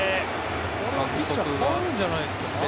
これはピッチャー代わるんじゃないですか？